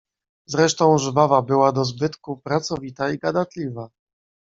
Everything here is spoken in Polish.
"Zresztą żwawa była do zbytku, pracowita i gadatliwa."